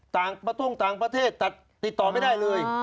ประทุ่งต่างประเทศตัดติดต่อไม่ได้เลย